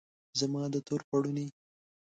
زما د تور پوړنې